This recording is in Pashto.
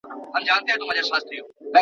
د کارګرانو حقونو دفاع ضرورت دی.